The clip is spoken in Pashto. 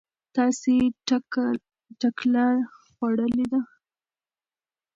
تاسې ټکله خوړلې ده؟